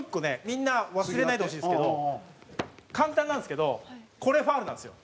みんな忘れないでほしいんですけど簡単なんですけどこれファウルなんですよ。